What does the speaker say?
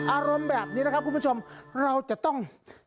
อารมณ์แบบนี้นะครับคุณผู้ชมเราจะต้อง